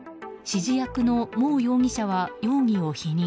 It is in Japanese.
指示役のモウ容疑者は容疑を否認。